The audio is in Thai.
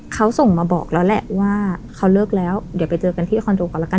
เขาส่งมาบอกแล้วแหละว่าเขาเลิกแล้วเดี๋ยวไปเจอกันที่คอนโดก่อนละกัน